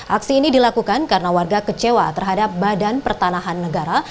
aksi ini dilakukan karena warga kecewa terhadap badan pertanahan negara